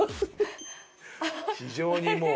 非常にもう。